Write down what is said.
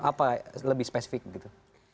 apa lebih spesifik gitu